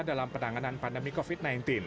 dalam penanganan pandemi covid sembilan belas